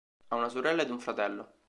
Ha una sorella ed un fratello.